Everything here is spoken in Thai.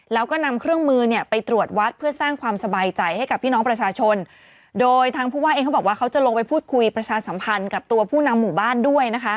แล้วก็นำเครื่องมือเนี่ยไปตรวจวัดเพื่อสร้างความสบายใจให้กับพี่น้องประชาชนโดยทางผู้ว่าเองเขาบอกว่าเขาจะลงไปพูดคุยประชาสัมพันธ์กับตัวผู้นำหมู่บ้านด้วยนะคะ